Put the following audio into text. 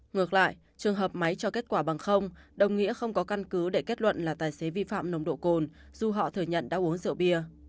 ngược lại trường hợp máy cho kết quả bằng không đồng nghĩa không có căn cứ để kết luận là tài xế vi phạm nồng độ cồn dù họ thừa nhận đã uống rượu bia